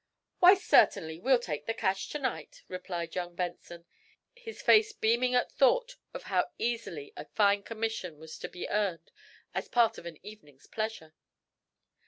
"Why, certainly we'll take the cash, to night," replied young Benson, his face beaming at thought of how easily a fine commission was to be earned as part of an evening's pleasure.